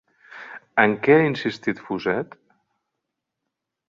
En què ha insistit Fuset?